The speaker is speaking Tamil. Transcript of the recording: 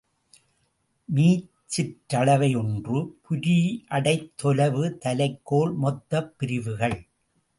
மீச்சிற்றளவை ஒன்று புரியடைத் தொலைவு தலைக்கோல் மொத்தப் பிரிவுகள்.